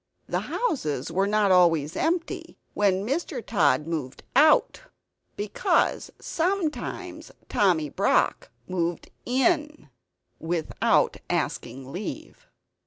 The houses were not always empty when Mr. Tod moved OUT; because sometimes Tommy Brock moved IN; (without asking leave).